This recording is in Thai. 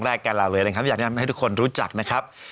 แรกกาาราเวนอย่างนี้ทำให้ทุกคนรู้จักนะครับ